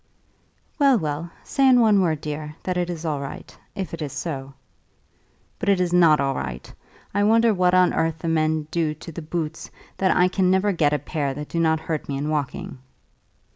"Well, well. Say in one word, dear, that it is all right, if it is so." "But it is not all right. I wonder what on earth the men do to the boots, that I can never get a pair that do not hurt me in walking."